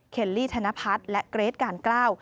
ลี่ธนพัฒน์และเกรทกาลเกล้า